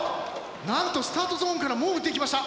なんとスタートゾーンからもう打ってきました。